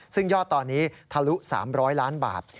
ซึ่งยอดตอนนี้ทะลุ๓๐๐ล้านบาท